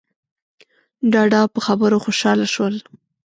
ډاډه او په خبرو خوشحاله شول.